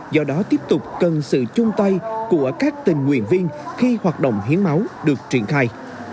do đó tiếp tục cần sự chung tay của các tình nguyện viên khi hoạt động hiến máu được triển khai